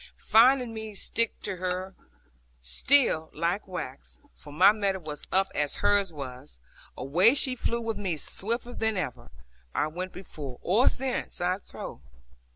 Finding me stick to her still like wax, for my mettle was up as hers was, away she flew with me swifter than ever I went before, or since, I trow.